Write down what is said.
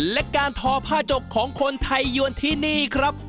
และการทอผ้าจกของคนไทยยวนที่นี่ครับ